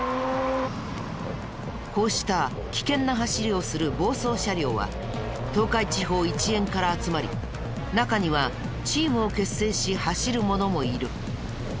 こうした危険な走りをする暴走車両は東海地方一円から集まり中にはチームを結成し走る者もいる。